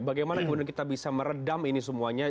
bagaimana kemudian kita bisa meredam ini semuanya